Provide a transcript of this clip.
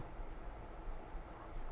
thông tin của bộ y tế